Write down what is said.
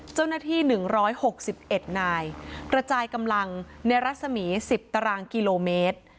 เจ้าหน้าที่๑๖๑นายกระจายกำลังในรัศมีร์๑๐ตารางกิโลเมตร